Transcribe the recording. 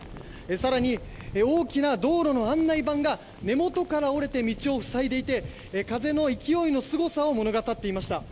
「さらに、大きな道路の案内板が根元から折れて道をふさいでいて風の勢いのすごさを物語っています」